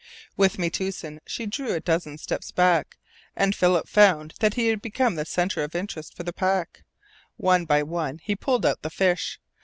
With Metoosin she drew a dozen steps back, and Philip found that he had become the centre of interest for the pack. One by one he pulled out the fish.